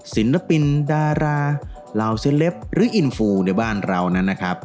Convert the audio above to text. ศิลปินดาราเหล่าเซลปหรืออินฟูในบ้านเรานั้นนะครับ